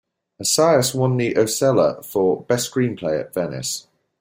Assayas won the Osella for Best Screenplay at Venice.